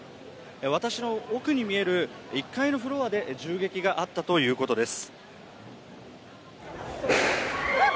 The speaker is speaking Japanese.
私の奥に見える１階のフロアで銃撃があったということです。